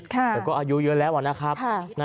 แต่ก็อายุเยอะแล้วนะครับ